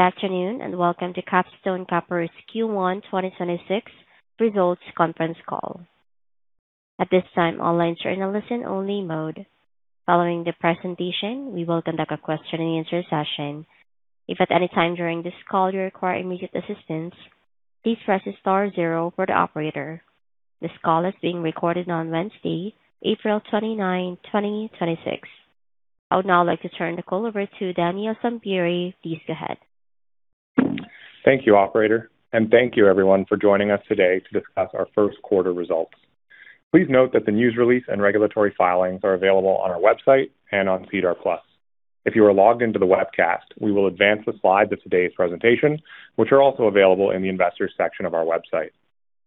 Good afternoon, and welcome to Capstone Copper's Q1 2026 results conference call. At this time, all lines are in a listen-only mode. Following the presentation, we will conduct a Q&A session. If at any time during this call you require immediate assistance, please press star zero for the operator. This call is being recorded on Wednesday, April 29, 2026. I would now like to turn the call over to Daniel Sampieri. Please go ahead. Thank you, operator, and thank you everyone for joining us today to discuss ourQ1 results. Please note that the news release and regulatory filings are available on our website and on SEDAR+. If you are logged into the webcast, we will advance the slide to today's presentation, which are also available in the investors section of our website.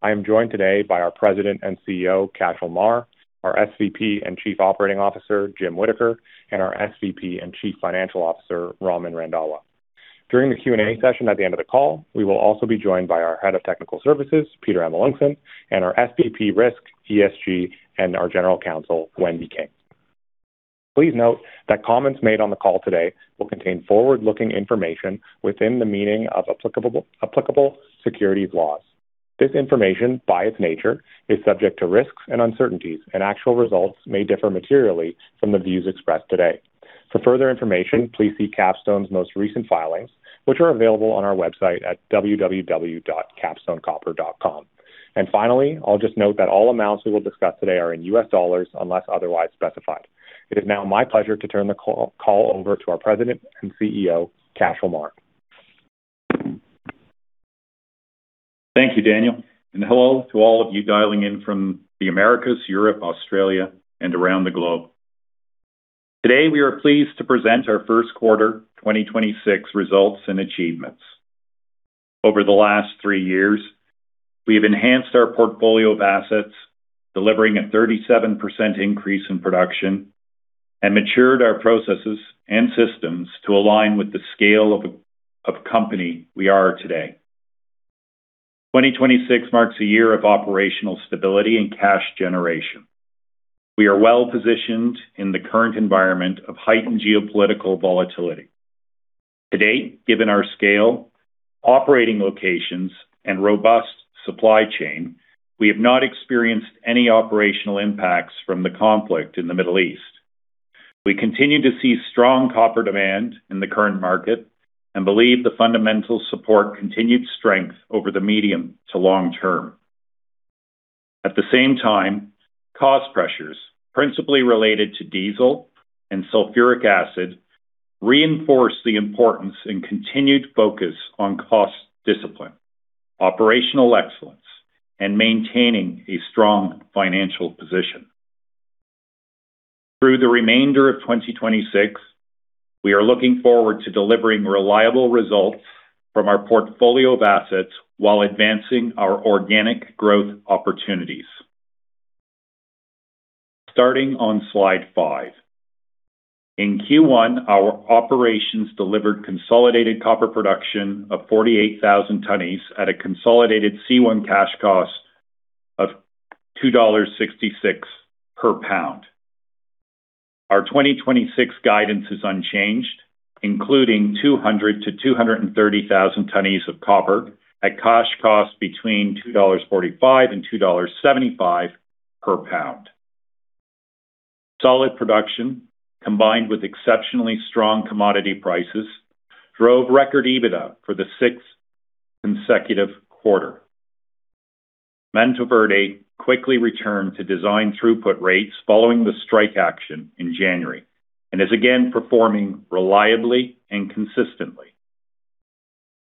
I am joined today by our President and Chief Executive Officer, Cashel Meagher, our Senior Vice President and Chief Operating Officer, Jim Whittaker, and our Senior Vice President and Chief Financial Officer, Raman Randhawa. During the Q&A session at the end of the call, we will also be joined by our Head of Technical Services, Peter Amelunxen, and our Senior Vice President, Risk, ESG, and our General Counsel, Wendy King. Please note that comments made on the call today will contain forward-looking information within the meaning of applicable securities laws. This information, by its nature, is subject to risks and uncertainties, and actual results may differ materially from the views expressed today. For further information, please see Capstone's most recent filings, which are available on our website at www.capstonecopper.com. Finally, I'll just note that all amounts we will discuss today are in U.S. dollars, unless otherwise specified. It is now my pleasure to turn the call over to our President and Chief Executive Officer, Cashel Meagher. Thank you, Daniel, and hello to all of you dialing in from the Americas, Europe, Australia, and around the globe. Today, we are pleased to present our Q1 2026 results and achievements. Over the last three years, we have enhanced our portfolio of assets, delivering a 37% increase in production and matured our processes and systems to align with the scale of company we are today. 2026 marks a year of operational stability and cash generation. We are well-positioned in the current environment of heightened geopolitical volatility. To date, given our scale, operating locations, and robust supply chain, we have not experienced any operational impacts from the conflict in the Middle East. We continue to see strong copper demand in the current market and believe the fundamental support continued strength over the medium to long term. At the same time, cost pressures, principally related to diesel and sulfuric acid, reinforce the importance and continued focus on cost discipline, operational excellence, and maintaining a strong financial position. Through the remainder of 2026, we are looking forward to delivering reliable results from our portfolio of assets while advancing our organic growth opportunities. Starting on slide five. In Q1, our operations delivered consolidated copper production of 48,000 tonnes at a consolidated C1 cash cost of $2.66 per pound. Our 2026 guidance is unchanged, including 200,000 tonnes-230,000 tonnes of copper at cash cost between $2.45 and $2.75 per pound. Solid production, combined with exceptionally strong commodity prices, drove record EBITDA for the sixth consecutive quarter. Mantoverde quickly returned to design throughput rates following the strike action in January and is again performing reliably and consistently.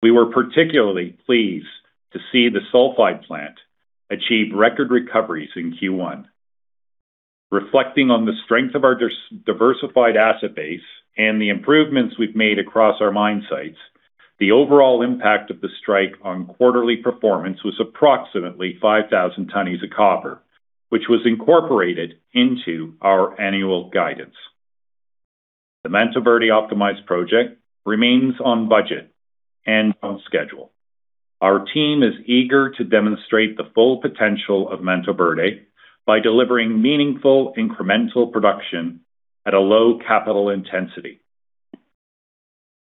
We were particularly pleased to see the sulfide plant achieve record recoveries in Q1. Reflecting on the strength of our diversified asset base and the improvements we've made across our mine sites, the overall impact of the strike on quarterly performance was approximately 5,000 tonnes of copper, which was incorporated into our annual guidance. The Mantoverde Optimized Project remains on budget and on schedule. Our team is eager to demonstrate the full potential of Mantoverde by delivering meaningful incremental production at a low capital intensity.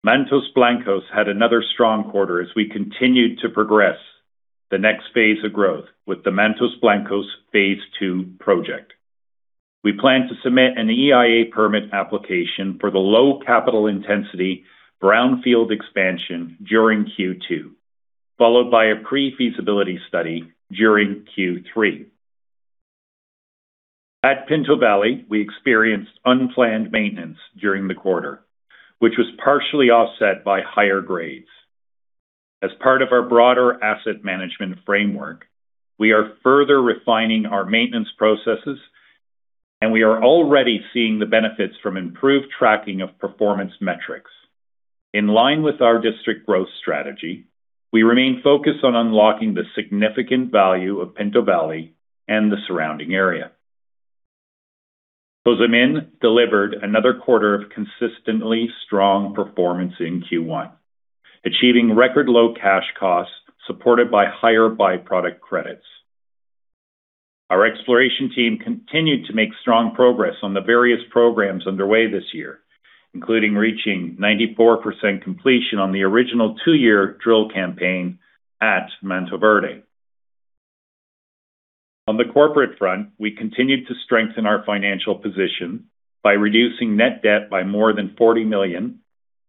Mantos Blancos had another strong quarter as we continued to progress the next phase of growth with the Mantos Blancos phase II project. We plan to submit an EIA permit application for the low capital intensity brownfield expansion during Q2, followed by a pre-feasibility study during Q3. At Pinto Valley, we experienced unplanned maintenance during the quarter, which was partially offset by higher grades. As part of our broader asset management framework, we are further refining our maintenance processes, and we are already seeing the benefits from improved tracking of performance metrics. In line with our district growth strategy, we remain focused on unlocking the significant value of Pinto Valley and the surrounding area. Cozamin delivered another quarter of consistently strong performance in Q1, achieving record low cash costs supported by higher by-product credits. Our exploration team continued to make strong progress on the various programs underway this year, including reaching 94% completion on the original two-year drill campaign at Mantoverde. On the corporate front, we continued to strengthen our financial position by reducing net debt by more than $40 million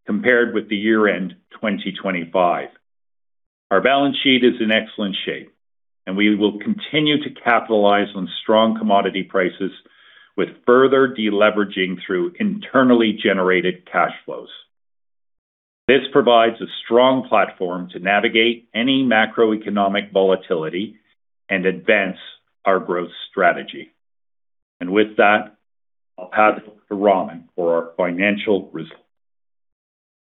compared with the year-end 2025. Our balance sheet is in excellent shape, and we will continue to capitalize on strong commodity prices with further de-leveraging through internally generated cash flows. This provides a strong platform to navigate any macroeconomic volatility and advance our growth strategy. With that, I'll pass it over to Raman for our financial results.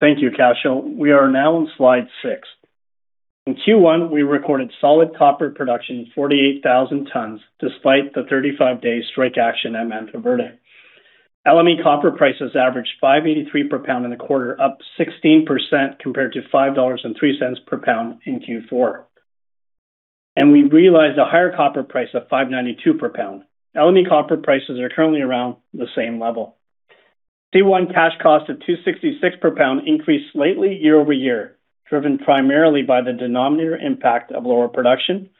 Thank you, Cashel. We are now on slide six. In Q1, we recorded solid copper production, 48,000 tons, despite the 35-day strike action at Mantoverde. LME copper prices averaged $5.83 per pound in the quarter, up 16% compared to $5.03 per pound in Q4. We realized a higher copper price of $5.92 per pound. LME copper prices are currently around the same level. Q1 C1 cash cost of $2.66 per pound increased slightly year-over-year, driven primarily by the denominator impact of lower production,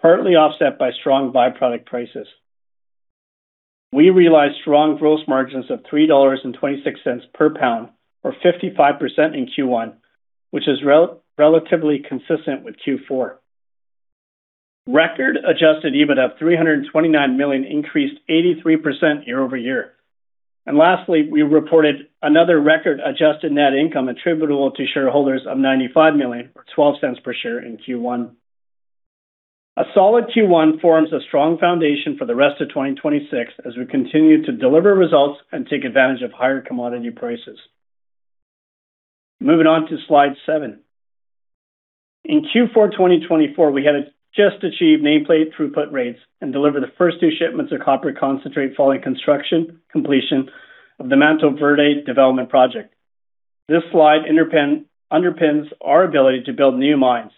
partly offset by strong by-product prices. We realized strong gross margins of $3.26 per pound, or 55% in Q1, which is relatively consistent with Q4. Record adjusted EBITDA of $329 million increased 83% year-over-year. Lastly, we reported another record adjusted net income attributable to shareholders of $95 million, or $0.12 per share in Q1. A solid Q1 forms a strong foundation for the rest of 2026 as we continue to deliver results and take advantage of higher commodity prices. Moving on to slide seven. In Q4 2024, we had just achieved nameplate throughput rates and delivered the first two shipments of copper concentrate following construction completion of the Mantoverde Optimized Project. This slide underpins our ability to build new mines.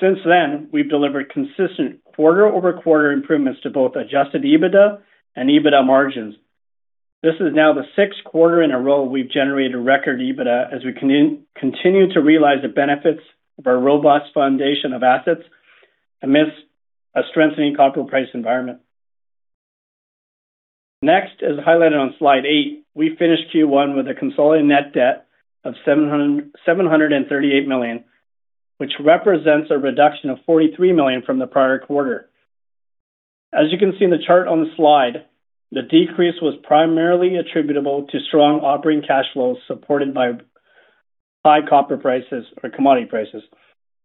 Since then, we've delivered consistent quarter-over-quarter improvements to both adjusted EBITDA and EBITDA margins. This is now the sixth quarter in a row we've generated record EBITDA as we continue to realize the benefits of our robust foundation of assets amidst a strengthening copper price environment. Next, as highlighted on slide eight, we finished Q1 with a consolidated net debt of $738 million, which represents a reduction of $43 million from the prior quarter. As you can see in the chart on the slide, the decrease was primarily attributable to strong operating cash flows supported by high copper prices or commodity prices.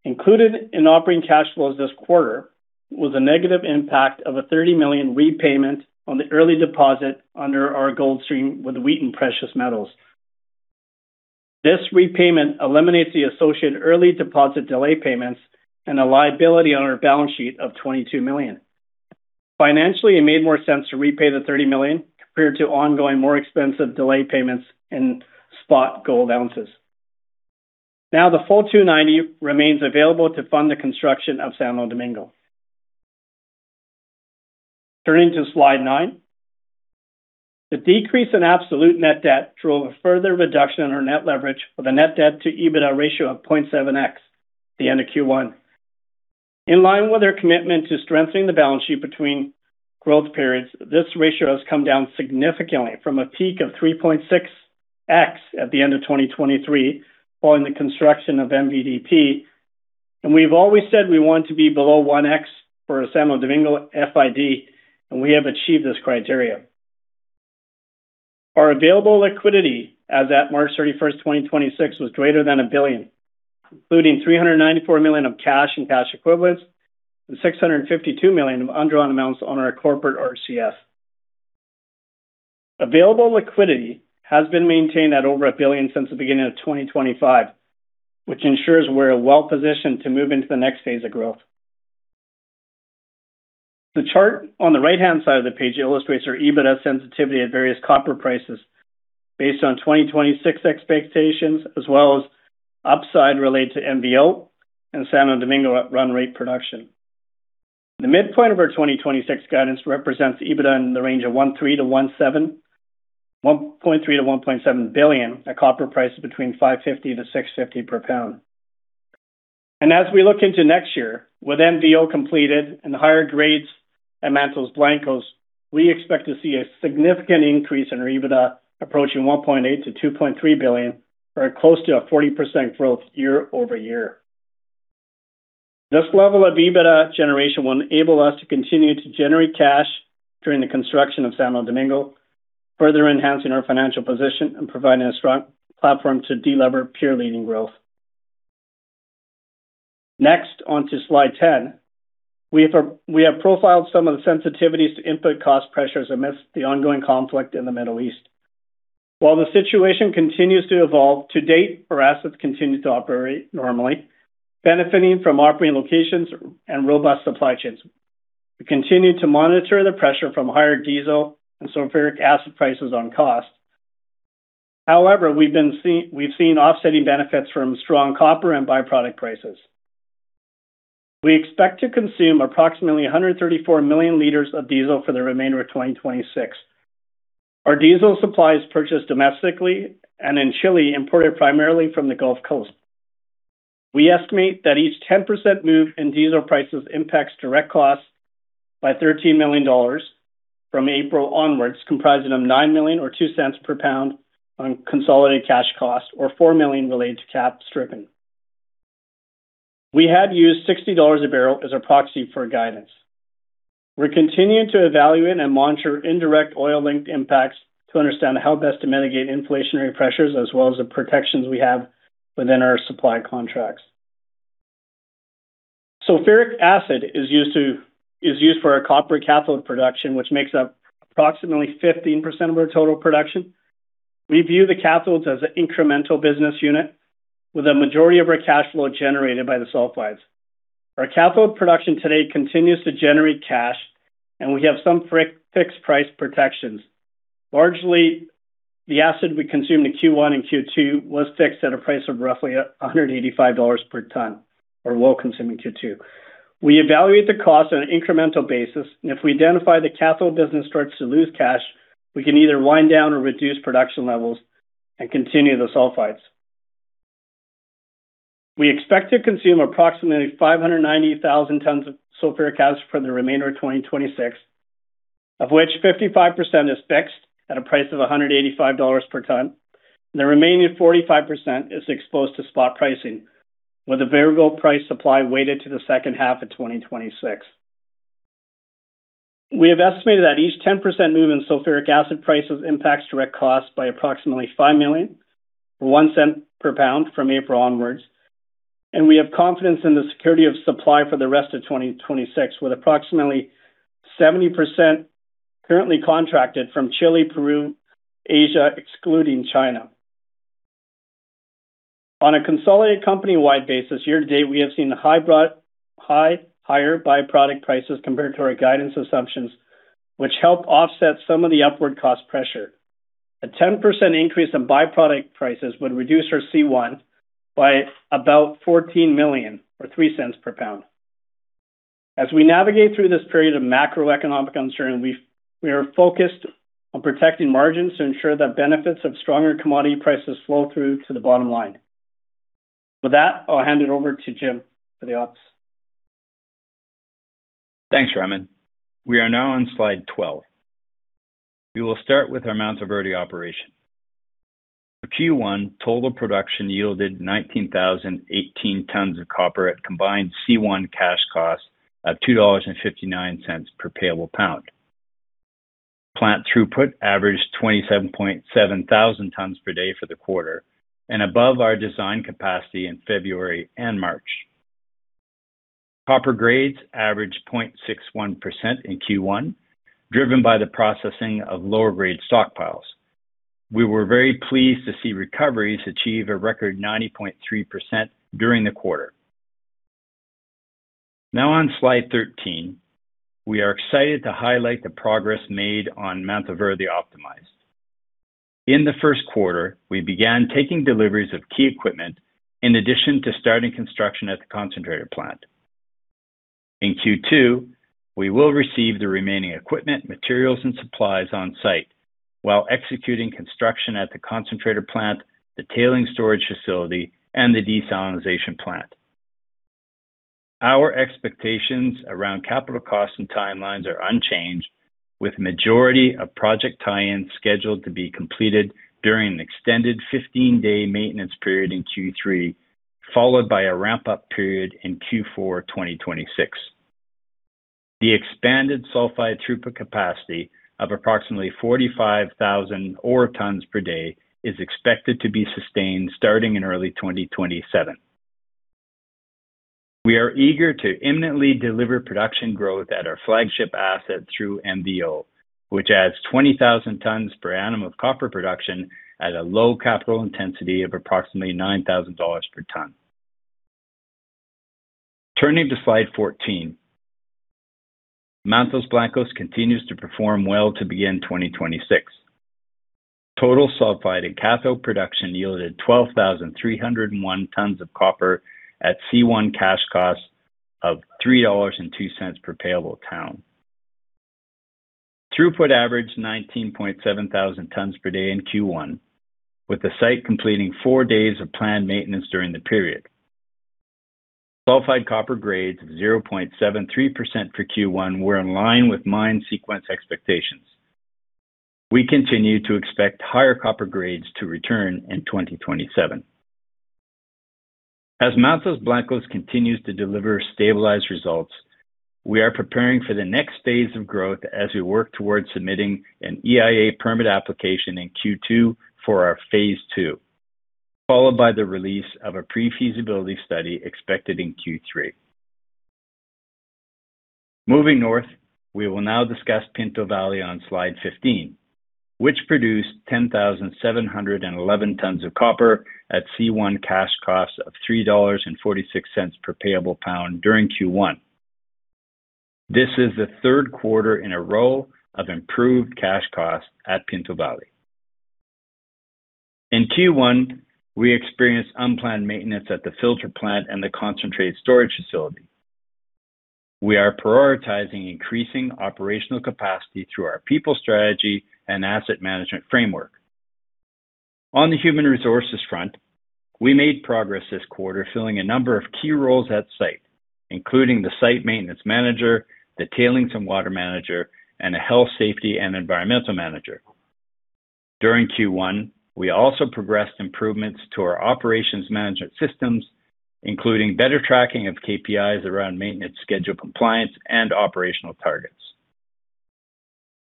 Included in operating cash flows this quarter was a negative impact of a $30 million repayment on the early deposit under our gold stream with Wheaton Precious Metals. This repayment eliminates the associated early deposit delay payments and a liability on our balance sheet of $22 million. Financially, it made more sense to repay the $30 million compared to ongoing, more expensive delay payments in spot gold ounces. The full $290 remains available to fund the construction of Santo Domingo. Turning to slide nine. The decrease in absolute net debt drove a further reduction in our net leverage with a net debt to EBITDA ratio of 0.7x at the end of Q1. In line with our commitment to strengthening the balance sheet between growth periods, this ratio has come down significantly from a peak of 3.6x at the end of 2023 following the construction of MVDP. We've always said we want to be below 1x for a Santo Domingo FID, and we have achieved this criteria. Our available liquidity as at March 31, 2026, was greater than $1 billion, including $394 million of cash and cash equivalents and $652 million of undrawn amounts on our corporate RCF. Available liquidity has been maintained at over $1 billion since the beginning of 2025, which ensures we're well-positioned to move into the next phase of growth. The chart on the right-hand side of the page illustrates our EBITDA sensitivity at various copper prices based on 2026 expectations, as well as upside related to MV-O and Santo Domingo at run rate production. The midpoint of our 2026 guidance represents EBITDA in the range of $1.3 billion-$1.7 billion at copper prices between $5.50-$6.50 per pound. As we look into next year with MV-O completed and higher grades at Mantos Blancos, we expect to see a significant increase in our EBITDA approaching $1.8 billion-$2.3 billion, or close to a 40% growth year-over-year. This level of EBITDA generation will enable us to continue to generate cash during the construction of Santo Domingo, further enhancing our financial position and providing a strong platform to delever peer-leading growth. Onto slide 10. We have profiled some of the sensitivities to input cost pressures amidst the ongoing conflict in the Middle East. While the situation continues to evolve, to date, our assets continue to operate normally, benefiting from operating locations and robust supply chains. We continue to monitor the pressure from higher diesel and sulfuric acid prices on costs. However, we've seen offsetting benefits from strong copper and byproduct prices. We expect to consume approximately 134 million liters of diesel for the remainder of 2026. Our diesel supply is purchased domestically and in Chile, imported primarily from the Gulf Coast. We estimate that each 10% move in diesel prices impacts direct costs by $13 million from April onwards, comprising of $9 million or $0.02 per pound on consolidated cash costs, or $4 million related to cap stripping. We had used $60 a barrel as a proxy for guidance. We're continuing to evaluate and monitor indirect oil-linked impacts to understand how best to mitigate inflationary pressures as well as the protections we have within our supply contracts. Sulfuric acid is used for our copper cathode production, which makes up approximately 15% of our total production. We view the cathodes as an incremental business unit, with a majority of our cash flow generated by the sulfides. Our cathode production today continues to generate cash, we have some fixed price protections. Largely, the acid we consumed in Q1 and Q2 was fixed at a price of roughly $185 per ton or low consuming Q2. We evaluate the cost on an incremental basis. If we identify the cathode business starts to lose cash, we can either wind down or reduce production levels and continue the sulfides. We expect to consume approximately 590,000 tons of sulfuric acid for the remainder of 2026, of which 55% is fixed at a price of $185 per ton. The remaining 45% is exposed to spot pricing, with a variable price supply weighted to the second half of 2026. We have estimated that each 10% move in sulfuric acid prices impacts direct costs by approximately $5 million, or $0.01 per pound from April onwards. We have confidence in the security of supply for the rest of 2026, with approximately 70% currently contracted from Chile, Peru, Asia, excluding China. On a consolidated company-wide basis, year to date, we have seen higher byproduct prices compared to our guidance assumptions, which help offset some of the upward cost pressure. A 10% increase in byproduct prices would reduce our C1 by about $14 million or $0.03 per pound. As we navigate through this period of macroeconomic uncertainty, we are focused on protecting margins to ensure that benefits of stronger commodity prices flow through to the bottom line. With that, I will hand it over to Jim for the ops. Thanks, Raman. We are now on slide 12. We will start with our Mantoverde operation. For Q1, total production yielded 19,018 tons of copper at combined C1 cash cost of $2.59 per payable pound. Plant throughput averaged 27.7 thousand tons per day for the quarter and above our design capacity in February and March. Copper grades averaged 0.61% in Q1, driven by the processing of lower grade stockpiles. We were very pleased to see recoveries achieve a record 90.3% during the quarter. Now on slide 13, we are excited to highlight the progress made on Mantoverde Optimized. In the Q1, we began taking deliveries of key equipment in addition to starting construction at the concentrator plant. In Q2, we will receive the remaining equipment, materials, and supplies on site while executing construction at the concentrator plant, the tailing storage facility, and the desalinization plant. Our expectations around capital costs and timelines are unchanged, with majority of project tie-ins scheduled to be completed during an extended 15-day maintenance period in Q3, followed by a ramp-up period in Q4 2026. The expanded sulfide throughput capacity of approximately 45,000 ore tons per day is expected to be sustained starting in early 2027. We are eager to imminently deliver production growth at our flagship asset through MV-O, which adds 20,000 tons per annum of copper production at a low capital intensity of approximately $9,000 per ton. Turning to slide 14, Mantos Blancos continues to perform well to begin 2026. Total sulfide and cathode production yielded 12,301 tons of copper at C1 cash cost of $3.02 per payable ton. Throughput averaged 19.7 thousand tons per day in Q1, with the site completing four days of planned maintenance during the period. Sulfide copper grades of 0.73% for Q1 were in line with mine sequence expectations. We continue to expect higher copper grades to return in 2027. As Mantos Blancos continues to deliver stabilized results, we are preparing for the next phase of growth as we work towards submitting an EIA permit application in Q2 for our phase II, followed by the release of a pre-feasibility study expected in Q3. Moving north, we will now discuss Pinto Valley on slide 15, which produced 10,711 tons of copper at C1 cash cost of $3.46 per payable pound during Q1. This is the Q3 in a row of improved cash costs at Pinto Valley. In Q1, we experienced unplanned maintenance at the filter plant and the concentrate storage facility. We are prioritizing increasing operational capacity through our people strategy and asset management framework. On the human resources front, we made progress this quarter, filling a number of key roles at site, including the site maintenance manager, the tailings and water manager, and a health, safety and environmental manager. During Q1, we also progressed improvements to our operations management systems, including better tracking of KPIs around maintenance schedule compliance and operational targets.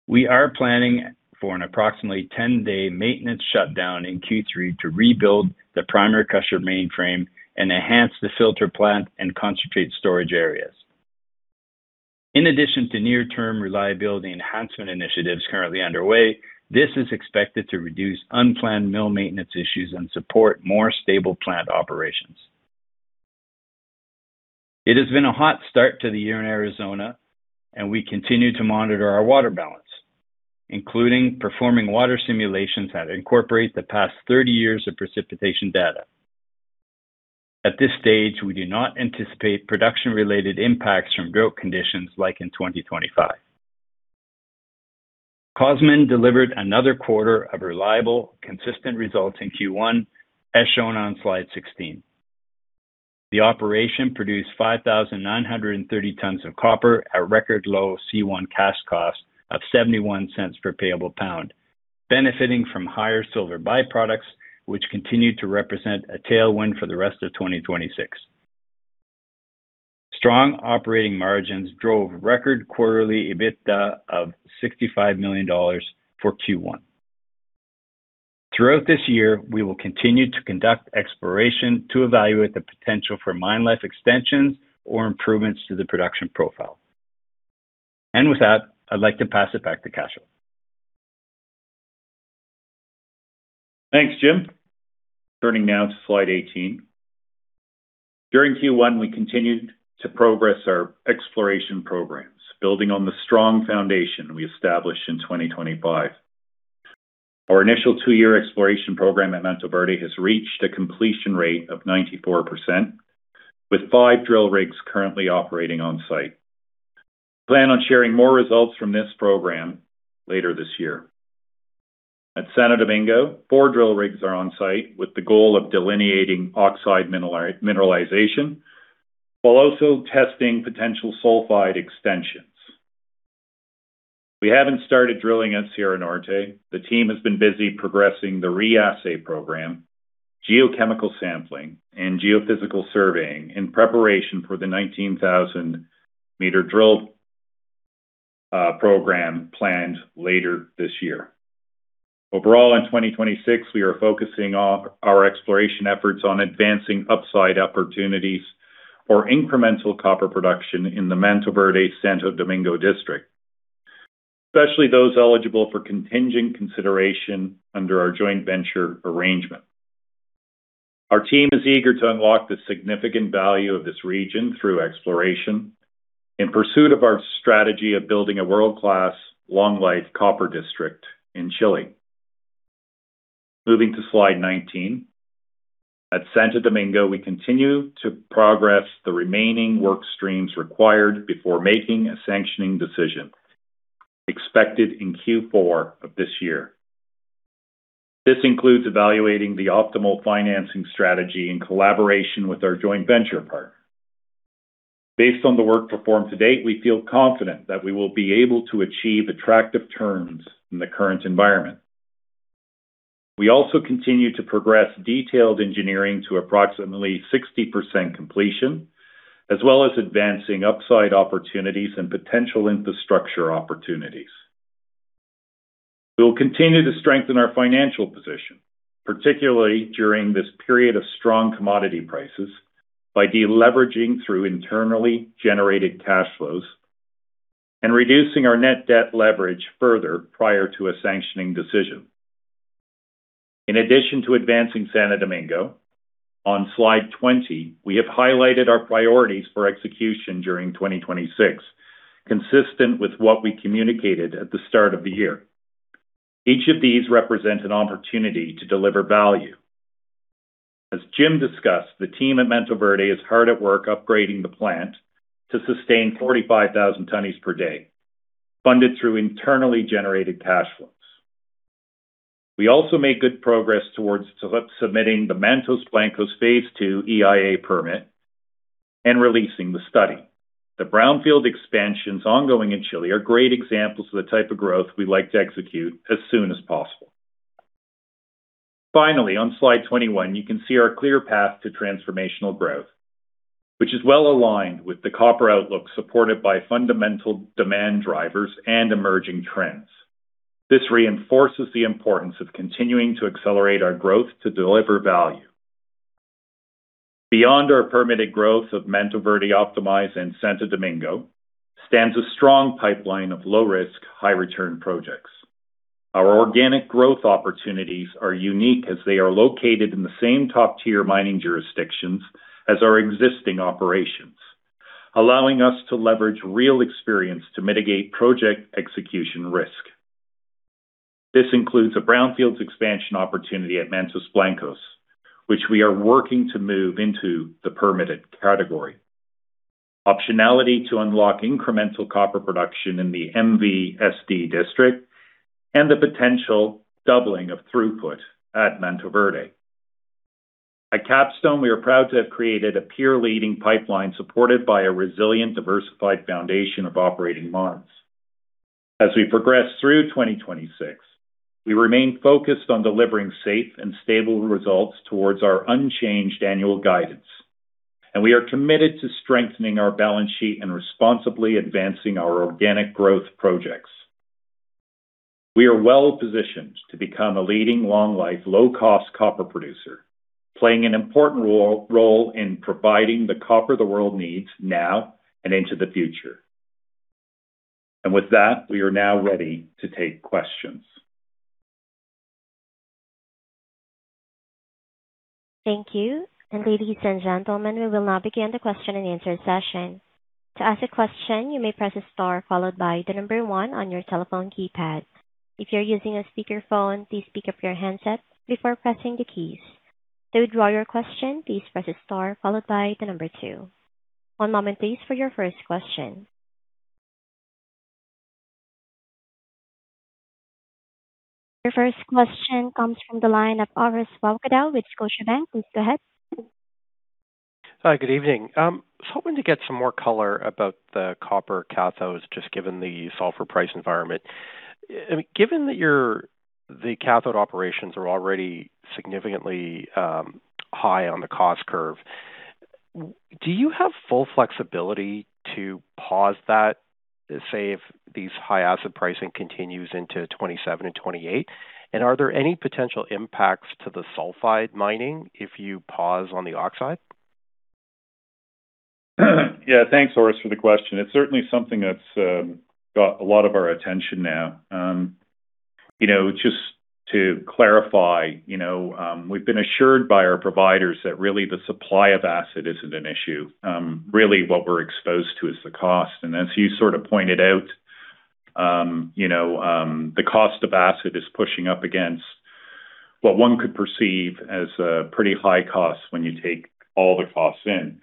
We are planning for an approximately 10-day maintenance shutdown in Q3 to rebuild the primary crusher mainframe and enhance the filter plant and concentrate storage areas. In addition to near term reliability enhancement initiatives currently underway, this is expected to reduce unplanned mill maintenance issues and support more stable plant operations. It has been a hot start to the year in Arizona, and we continue to monitor our water balance, including performing water simulations that incorporate the past 30 years of precipitation data. At this stage, we do not anticipate production related impacts from drought conditions like in 2025. Cozamin delivered another quarter of reliable, consistent results in Q1, as shown on slide 16. The operation produced 5,930 tons of copper at record low C1 cash cost of $0.71 per payable pound, benefiting from higher silver byproducts, which continued to represent a tailwind for the rest of 2026. Strong operating margins drove record quarterly EBITDA of $65 million for Q1. Throughout this year, we will continue to conduct exploration to evaluate the potential for mine life extensions or improvements to the production profile. With that, I'd like to pass it back to Cashel. Thanks, Jim. Turning now to slide 18. During Q1, we continued to progress our exploration programs, building on the strong foundation we established in 2025. Our initial two-year exploration program at Mantoverde has reached a completion rate of 94%, with five drill rigs currently operating on site. Plan on sharing more results from this program later this year. At Santo Domingo, four drill rigs are on site with the goal of delineating oxide mineralization, while also testing potential sulfide extensions. We haven't started drilling at Sierra Norte. The team has been busy progressing the re-assay program, geochemical sampling and geophysical surveying in preparation for the 19,000 m drill program planned later this year. Overall, in 2026, we are focusing on our exploration efforts on advancing upside opportunities or incremental copper production in the Mantoverde Santo Domingo District, especially those eligible for contingent consideration under our joint venture arrangement. Our team is eager to unlock the significant value of this region through exploration in pursuit of our strategy of building a world-class long life copper district in Chile. Moving to slide 19. At Santo Domingo, we continue to progress the remaining work streams required before making a sanctioning decision expected in Q4 of this year. This includes evaluating the optimal financing strategy in collaboration with our joint venture partner. Based on the work performed to date, we feel confident that we will be able to achieve attractive terms in the current environment. We also continue to progress detailed engineering to approximately 60% completion, as well as advancing upside opportunities and potential infrastructure opportunities. We will continue to strengthen our financial position, particularly during this period of strong commodity prices, by deleveraging through internally generated cash flows and reducing our net debt leverage further prior to a sanctioning decision. In addition to advancing Santo Domingo, on slide 20, we have highlighted our priorities for execution during 2026, consistent with what we communicated at the start of the year. Each of these represent an opportunity to deliver value. As Jim discussed, the team at Mantoverde is hard at work upgrading the plant to sustain 45,000 tonnes per day, funded through internally generated cash flows. We also made good progress towards submitting the Mantos Blancos phase II EIA permit and releasing the study. The brownfield expansions ongoing in Chile are great examples of the type of growth we like to execute as soon as possible. On slide 21, you can see our clear path to transformational growth, which is well aligned with the copper outlook supported by fundamental demand drivers and emerging trends. This reinforces the importance of continuing to accelerate our growth to deliver value. Beyond our permitted growth of Mantoverde Optimized and Santo Domingo stands a strong pipeline of low risk, high return projects. Our organic growth opportunities are unique as they are located in the same top-tier mining jurisdictions as our existing operations, allowing us to leverage real experience to mitigate project execution risk. This includes a brownfields expansion opportunity at Mantos Blancos, which we are working to move into the permitted category. Optionality to unlock incremental copper production in the MV-O district and the potential doubling of throughput at Mantoverde. At Capstone, we are proud to have created a peer-leading pipeline supported by a resilient, diversified foundation of operating mines. As we progress through 2026, we remain focused on delivering safe and stable results towards our unchanged annual guidance, and we are committed to strengthening our balance sheet and responsibly advancing our organic growth projects. We are well-positioned to become a leading long-life, low-cost copper producer, playing an important roll in providing the copper the world needs now and into the future. With that, we are now ready to take questions. Thank you. Ladies and gentlemen, we will now begin the Q&A session. To ask a question, you may press a star followed by the number one on your telephone keypad. If you're using a speakerphone, please speak up your handset before pressing the keys. To draw your question, please press a star followed by the number two. One moment please for your first question. Your first question comes from the line of Orest Wowkodaw with Scotiabank. Please go ahead. Hi, good evening. I was hoping to get some more color about the copper cathodes, just given the sulfur price environment. Given that your, the cathode operations are already significantly high on the cost curve, do you have full flexibility to pause that, say, if these high acid pricing continues into 2027 and 2028? Are there any potential impacts to the sulfide mining if you pause on the oxide? Thanks, Orest, for the question. It's certainly something that's got a lot of our attention now. You know, just to clarify, you know, we've been assured by our providers that really the supply of acid isn't an issue. Really what we're exposed to is the cost. As you sort of pointed out, you know, the cost of acid is pushing up against what one could perceive as a pretty high cost when you take all the costs in.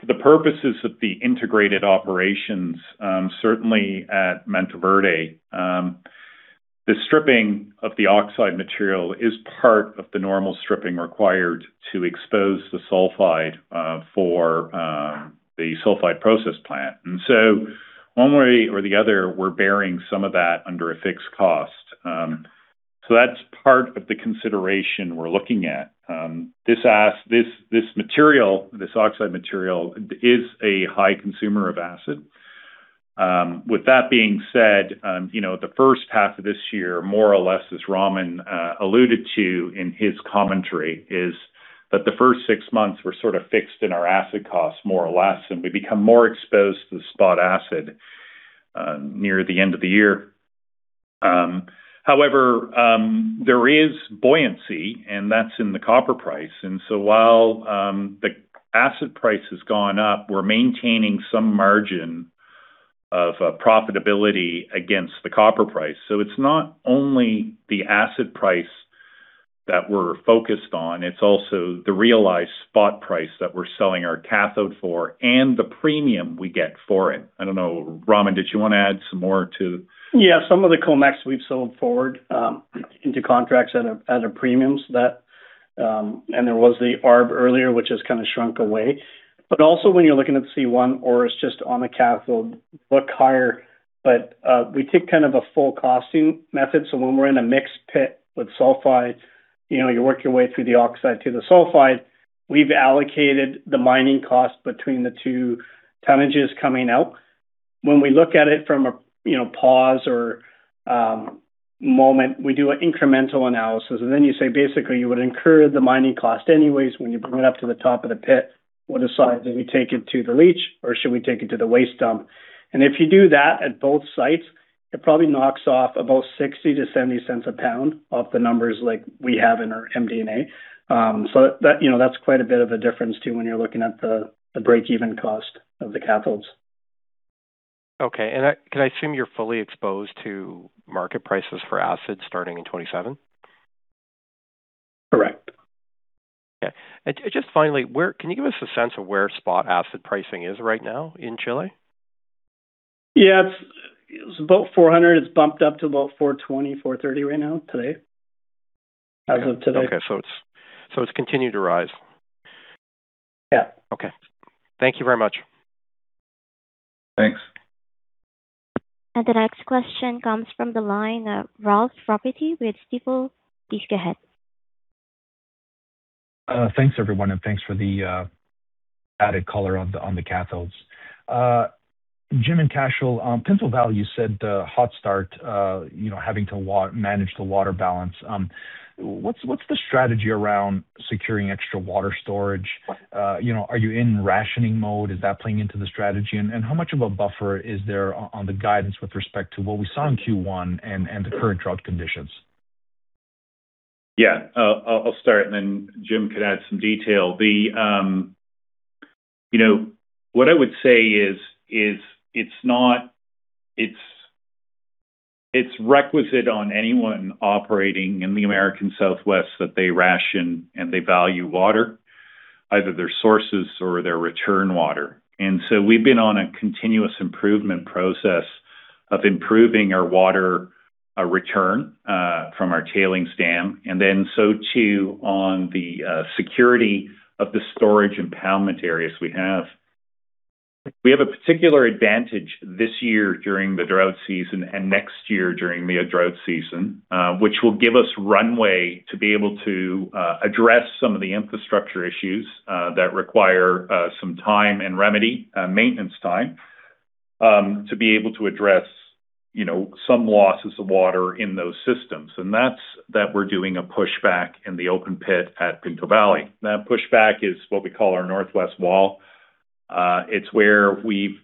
For the purposes of the integrated operations, certainly at Mantoverde, the stripping of the oxide material is part of the normal stripping required to expose the sulfide for the sulfide process plant. One way or the other, we're bearing some of that under a fixed cost. That's part of the consideration we're looking at. This material, this oxide material is a high consumer of acid. With that being said, you know, the first half of this year, more or less, as Raman alluded to in his commentary, is that the first six months were sort of fixed in our acid costs, more or less, and we become more exposed to the spot acid near the end of the year. However, there is buoyancy, that's in the copper price. While the acid price has gone up, we're maintaining some margin of profitability against the copper price. It's not only the acid price that we're focused on, it's also the realized spot price that we're selling our cathode for and the premium we get for it. I don't know, Raman, did you want to add some more? Yeah, some of the COMEX we've sold forward, into contracts at a premium so that there was the arb earlier, which has kind of shrunk away. Also when you're looking at C1, Orest, just on the cathode, look higher. We take kind of a full costing method. When we're in a mixed pit with sulfide, you know, you work your way through the oxide to the sulfide. We've allocated the mining cost between the two tonnages coming out. When we look at it from a, you know, pause or moment, we do an incremental analysis. You say, basically, you would incur the mining cost anyways when you bring it up to the top of the pit. What is size? Do we take it to the leach, or should we take it to the waste dump? If you do that at both sites, it probably knocks off about $0.60-$0.70 a pound off the numbers like we have in our MD&A. That, you know, that's quite a bit of a difference too, when you're looking at the break-even cost of the cathodes. Okay. I can I assume you're fully exposed to market prices for acid starting in 2027? Correct. Okay. Just finally, can you give us a sense of where spot acid pricing is right now in Chile? Yeah. It was about $400. It's bumped up to about $420-$430 right now, today. As of today. Okay. It's continued to rise. Yeah. Okay. Thank you very much. Thanks. The next question comes from the line of Ralph Profiti with Stifel. Please go ahead. Thanks everyone, and thanks for the added color on the cathodes. Jim and Cashel, pencil value said, hot start, you know, having to manage the water balance. What's the strategy around securing extra water storage? You know, are you in rationing mode? Is that playing into the strategy? How much of a buffer is there on the guidance with respect to what we saw in Q1 and the current drought conditions? Yeah. I'll start and then Jim could add some detail. You know, what I would say is, it's requisite on anyone operating in the American Southwest that they ration and they value water, either their sources or their return water. We've been on a continuous improvement process of improving our water return from our tailings dam. Too, on the security of the storage impoundment areas we have. We have a particular advantage this year during the drought season and next year during the drought season, which will give us runway to be able to address some of the infrastructure issues that require some time and remedy, maintenance time, to be able to address, you know, some losses of water in those systems. That we're doing a pushback in the open pit at Pinto Valley. That pushback is what we call our northwest wall. It's where we've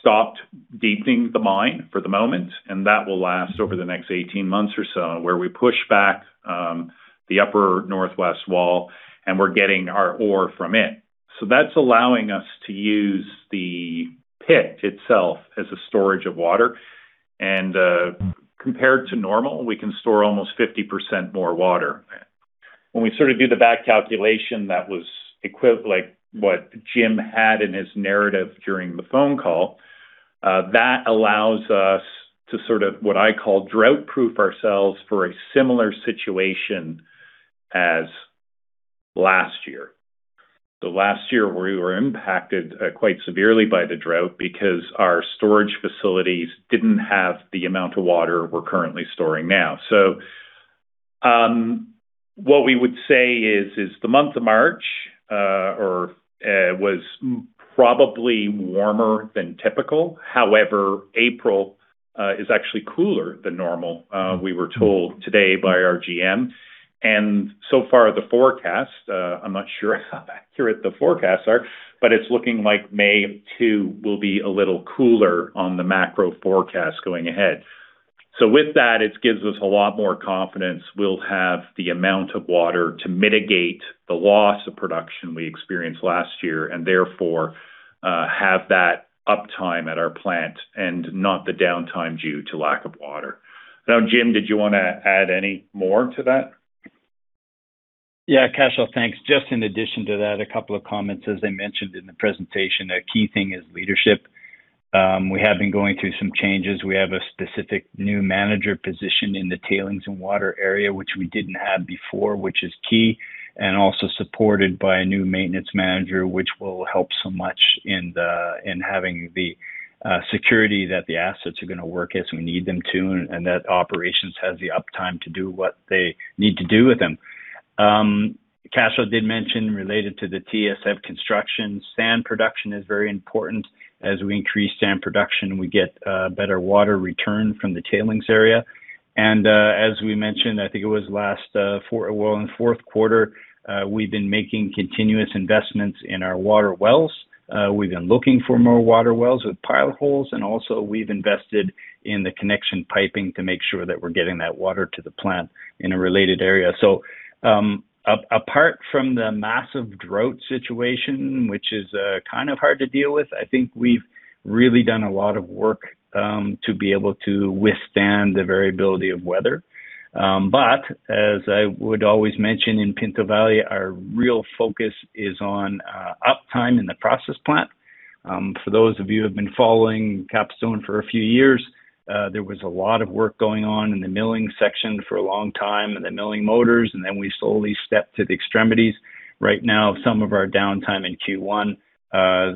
stopped deepening the mine for the moment, and that will last over the next 18 months or so, where we push back the upper northwest wall and we're getting our ore from it. That's allowing us to use the pit itself as a storage of water. Compared to normal, we can store almost 50% more water. When we sort of do the back calculation that was like, what Jim Whittaker had in his narrative during the phone call, that allows us to sort of what I call drought-proof ourselves for a similar situation as last year. Last year we were impacted quite severely by the drought because our storage facilities didn't have the amount of water we're currently storing now. What we would say is the month of March was probably warmer than typical. However, April is actually cooler than normal, we were told today by our GM. So far the forecast, I'm not sure how accurate the forecasts are, but it's looking like May too will be a little cooler on the macro forecast going ahead. With that, it gives us a lot more confidence we'll have the amount of water to mitigate the loss of production we experienced last year and therefore, have that uptime at our plant and not the downtime due to lack of water. Jim, did you wanna add any more to that? Yeah, Cashel, thanks. Just in addition to that, a couple of comments. As I mentioned in the presentation, a key thing is leadership. We have been going through some changes. We have a specific new manager position in the tailings and water area, which we didn't have before, which is key, and also supported by a new maintenance manager, which will help so much in the, in having the security that the assets are gonna work as we need them to, and that operations has the uptime to do what they need to do with them. Cashel did mention, related to the TSF construction, sand production is very important. As we increase sand production, we get better water return from the tailings area. As we mentioned, I think it was last in Q4, we've been making continuous investments in our water wells. We've been looking for more water wells with pilot holes, and also we've invested in the connection piping to make sure that we're getting that water to the plant in a related area. Apart from the massive drought situation, which is kind of hard to deal with, I think we've really done a lot of work to be able to withstand the variability of weather. As I would always mention in Pinto Valley, our real focus is on uptime in the process plant. For those of you who have been following Capstone for a few years, there was a lot of work going on in the milling section for a long time and the milling motors, and then we slowly stepped to the extremities. Some of our downtime in Q1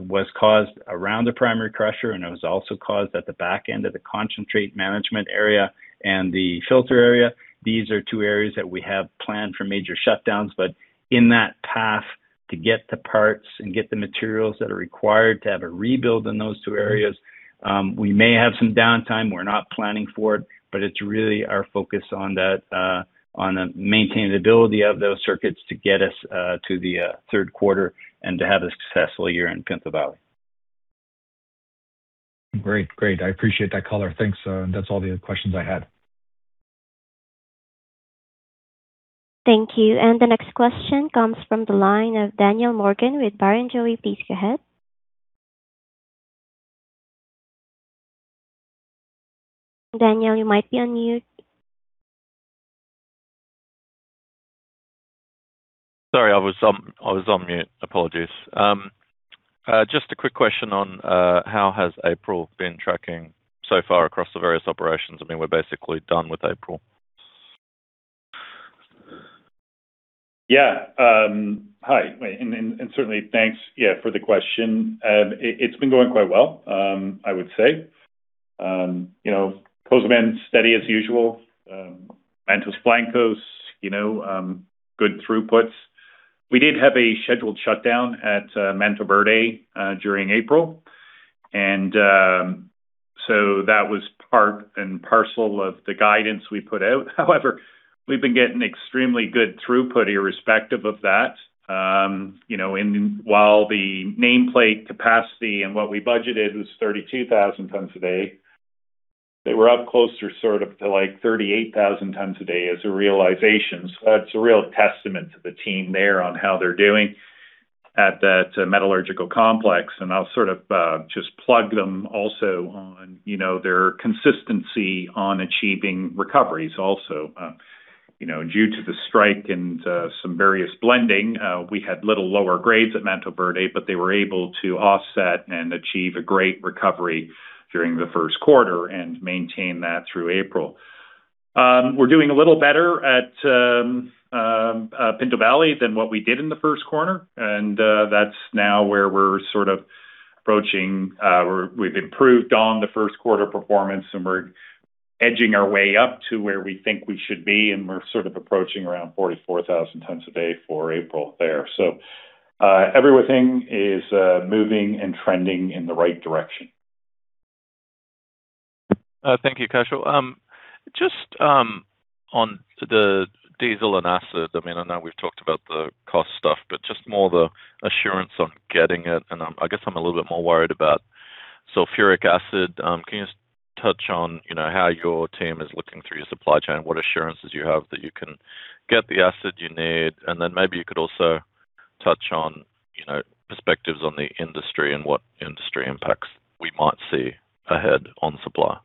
was caused around the primary crusher, and it was also caused at the back end of the concentrate management area and the filter area. These are two areas that we have planned for major shutdowns. In that path to get the parts and get the materials that are required to have a rebuild in those two areas, we may have some downtime. We're not planning for it, but it's really our focus on that, on the maintainability of those circuits to get us to the Q3 and to have a successful year in Pinto Valley. Great. I appreciate that color. Thanks. That's all the questions I had. Thank you. The next question comes from the line of Daniel Morgan with Barrenjoey. Please go ahead. Daniel, you might be on mute. Sorry, I was on mute. Apologies. Just a quick question on how has April been tracking so far across the various operations. I mean, we're basically done with April. Yeah. Hi. Certainly thanks for the question. It's been going quite well, I would say. You know, Cozamin, steady as usual. Mantos Blancos, you know, good throughputs. We did have a scheduled shutdown at Mantoverde during April. That was part and parcel of the guidance we put out. However, we've been getting extremely good throughput irrespective of that. You know, while the nameplate capacity and what we budgeted was 32,000 tons a day, they were up closer sort of to 38,000 tons a day as a realization. That's a real testament to the team there on how they're doing at that metallurgical complex. I'll sort of just plug them also on, you know, their consistency on achieving recoveries also. You know, due to the strike and some various blending, we had little lower grades at Mantoverde, but they were able to offset and achieve a great recovery during the Q1 and maintain that through April. We're doing a little better at Pinto Valley than what we did in theQ1. That's now where we're sort of approaching. We've improved on the Q1 performance, and we're edging our way up to where we think we should be, and we're sort of approaching around 44,000 tons a day for April there. Everything is moving and trending in the right direction. Thank you, Cashel. Just, on the diesel and acid, I mean, I know we've talked about the cost stuff, but just more the assurance on getting it, I guess I'm a little bit more worried about sulfuric acid. Can you just touch on, you know, how your team is looking through your supply chain, what assurances you have that you can get the acid you need? Maybe you could also touch on, you know, perspectives on the industry and what industry impacts we might see ahead on supply.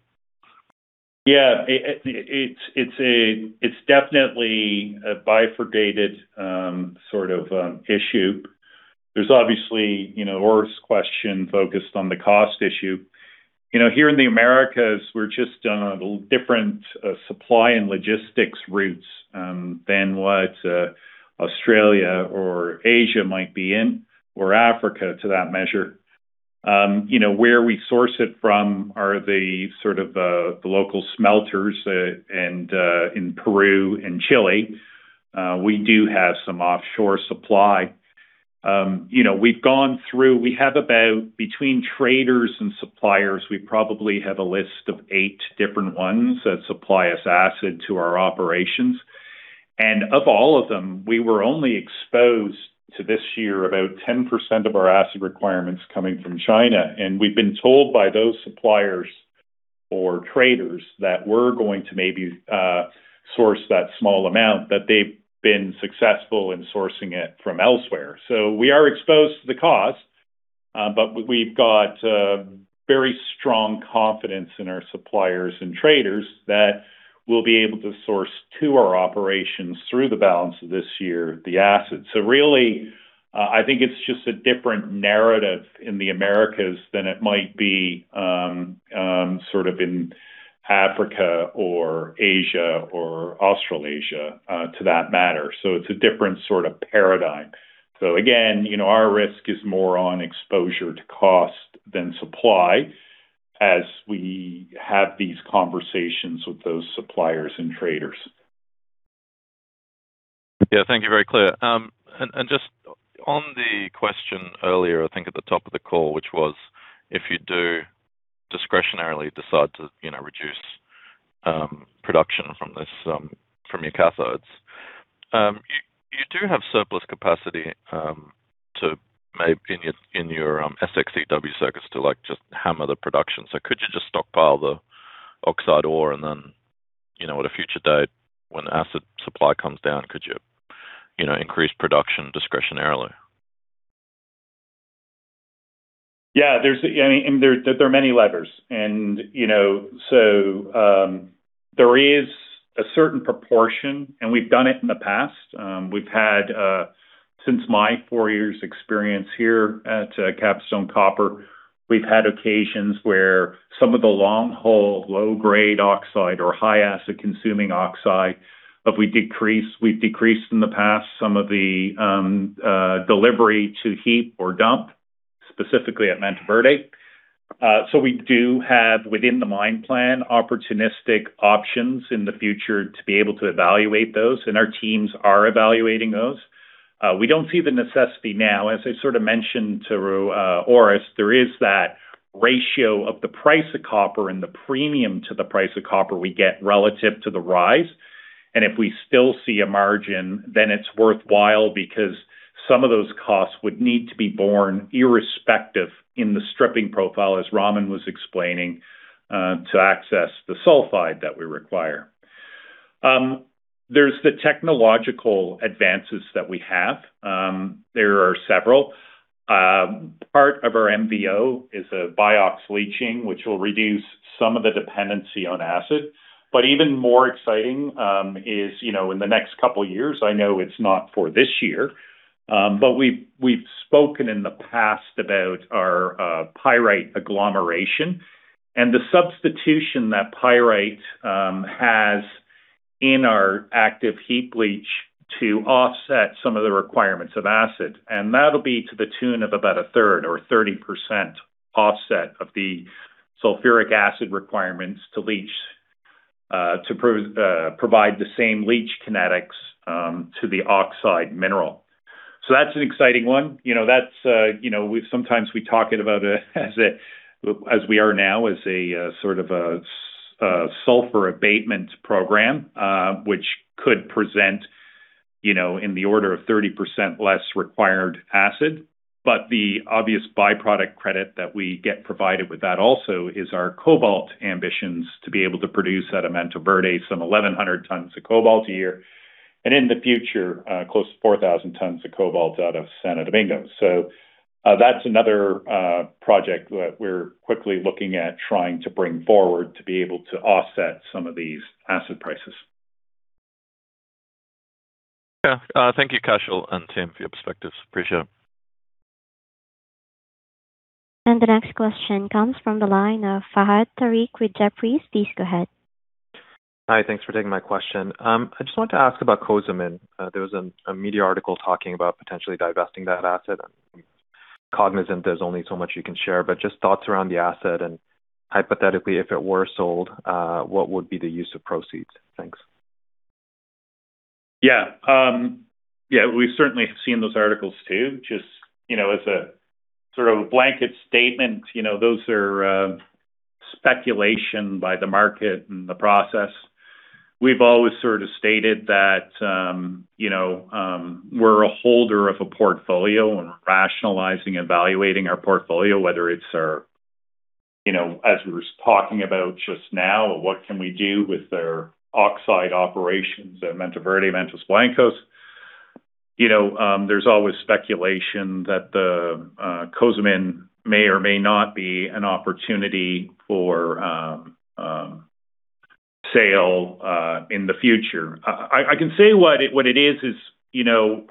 It's definitely a bifurcated sort of issue. There's obviously, you know, Orest's question focused on the cost issue. You know, here in the Americas, we're just on a different supply and logistics routes than what Australia or Asia might be in or Africa to that measure. You know, where we source it from are the sort of the local smelters and in Peru and Chile. We do have some offshore supply. You know, we have about between traders and suppliers, we probably have a list of eight different ones that supply us acid to our operations. Of all of them, we were only exposed to this year about 10% of our acid requirements coming from China. We've been told by those suppliers or traders that were going to maybe source that small amount, that they've been successful in sourcing it from elsewhere. We are exposed to the cost, but we've got very strong confidence in our suppliers and traders that we'll be able to source to our operations through the balance of this year, the acid. Really, I think it's just a different narrative in the Americas than it might be sort of in Africa or Asia or Australasia to that matter. It's a different sort of paradigm. Again, you know, our risk is more on exposure to cost than supply as we have these conversations with those suppliers and traders. Yeah. Thank you. Very clear. Just on the question earlier, I think at the top of the call, which was if you do discretionarily decide to, you know, reduce production from this, from your cathodes, you do have surplus capacity to maybe in your, in your SX-EW circuits to, like, just hammer the production. Could you just stockpile the oxide ore and then, you know, at a future date when the acid supply comes down, could you know, increase production discretionarily? Yeah. There are many levers, you know. There is a certain proportion, and we've done it in the past. We've had, since my four years experience here at Capstone Copper, we've had occasions where some of the long-hole, low-grade oxide or high acid consuming oxide, we've decreased in the past some of the delivery to heap or dump, specifically at Mantoverde. We do have within the mine plan, opportunistic options in the future to be able to evaluate those, and our teams are evaluating those. As I sort of mentioned to Orest, there is that ratio of the price of copper and the premium to the price of copper we get relative to the rise. If we still see a margin, then it's worthwhile because some of those costs would need to be borne irrespective in the stripping profile, as Raman was explaining, to access the sulfide that we require. There's the technological advances that we have. There are several. Part of our MV-O is a BIOX leaching, which will reduce some of the dependency on acid. Even more exciting, you know, in the next couple of years, I know it's not for this year, we've spoken in the past about our pyrite agglomeration and the substitution that pyrite has in our active heap leach to offset some of the requirements of acid. That'll be to the tune of about 1/3 or 30% offset of the sulfuric acid requirements to leach, to provide the same leach kinetics to the oxide mineral. That's an exciting one. You know, that's, you know, we sometimes talk about it as a sulfur abatement program, which could present, you know, in the order of 30% less required acid. The obvious byproduct credit that we get provided with that also is our cobalt ambitions to be able to produce at Mantoverde some 1,100 tons of cobalt a year. In the future, close to 4,000 tons of cobalt out of Santo Domingo. That's another project that we're quickly looking at trying to bring forward to be able to offset some of these asset prices. Thank you, Cashel and Jim, for your perspectives. Appreciate it. The next question comes from the line of Fahad Tariq with Jefferies. Please go ahead. Hi. Thanks for taking my question. I just wanted to ask about Cozamin. There was a media article talking about potentially divesting that asset. I'm cognizant there's only so much you can share, but just thoughts around the asset and hypothetically, if it were sold, what would be the use of proceeds? Thanks. Yeah, we've certainly seen those articles too. Just, you know, as a sort of blanket statement, you know, those are speculation by the market and the process. We've always sort of stated that, you know, we're a holder of a portfolio and rationalizing, evaluating our portfolio, whether it's our, you know, as we were talking about just now, what can we do with our oxide operations at Mantoverde, Mantos Blancos. You know, there's always speculation that the Cozamin may or may not be an opportunity for sale in the future. I can say what it is is, you know,